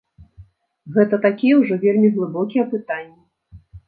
Гэта такія ўжо вельмі глыбокія пытанні.